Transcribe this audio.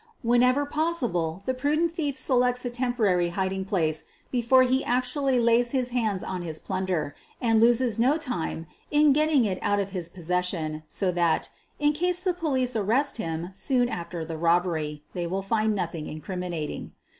Whenever possible, the prudent thief selects a temporary hid ing place ociVit iie avtUaAy Iay» his iiAxids on his plunder, and loses no time in getting it out of his 242 SOPHIE LYONS possession, so that, in case the police arrest him soon after the robbery, they will find nothing in criminating.